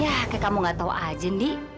ya kayak kamu nggak tahu aja ndi